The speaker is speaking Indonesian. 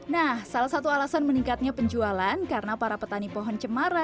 nah salah satu alasan meningkatnya penjualan karena para petani pohon cemara